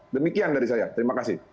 demikian dari saya terima kasih